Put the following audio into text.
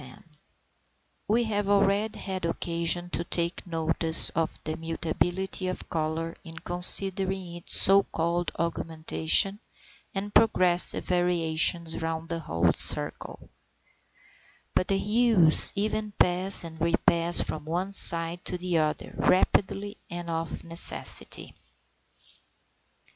710. We have already had occasion to take notice of the mutability of colour in considering its so called augmentation and progressive variations round the whole circle; but the hues even pass and repass from one side to the other, rapidly and of necessity.